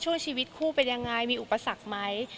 ชีวิตคู่เป็นยังไงมีอุปสรรคไหม